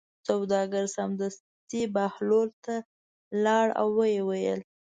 سوداګر سمدستي بهلول ته لاړ او ویې ویل.